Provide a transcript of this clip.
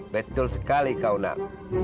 betul sekali kau nak